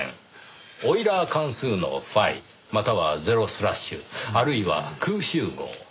オイラー関数のφまたはゼロスラッシュあるいは空集合。